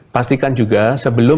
pastikan juga sebelum